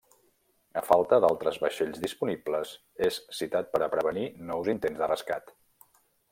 A falta d'altres vaixells disponibles és citat per a prevenir nous intents de rescat.